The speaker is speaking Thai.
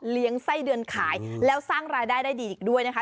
ไส้เดือนขายแล้วสร้างรายได้ได้ดีอีกด้วยนะคะ